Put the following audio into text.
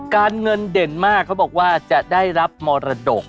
การเงินเด่นมากเขาบอกว่าจะได้รับมรดก